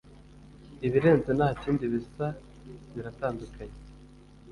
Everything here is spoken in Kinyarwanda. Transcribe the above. ibirenze ntakindi bisa biratandukanye